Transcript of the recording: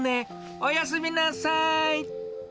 おやすみなさい。